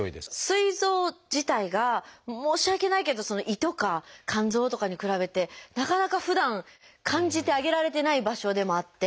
すい臓自体が申し訳ないけど胃とか肝臓とかに比べてなかなかふだん感じてあげられてない場所でもあって。